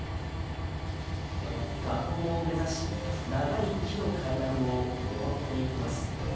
火口を目指し長い木の階段を上っていきます。